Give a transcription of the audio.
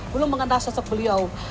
belum mengenal sosok beliau